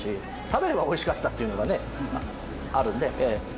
食べれば美味しかったっていうのがねあるので。